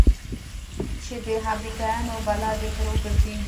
چې د امريکايانو بلا دې پر وګرځي.